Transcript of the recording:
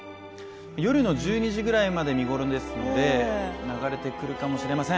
夜の１２時ぐらいまで見頃ですので流れてくるかもしれません。